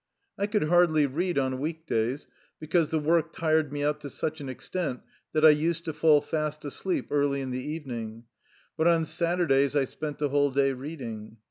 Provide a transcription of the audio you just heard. I could hardly read on week days, because the work tired me out to such an extent that I used to fall fast asleep early in the evening, but on Sat urdays I spent the whole day reading.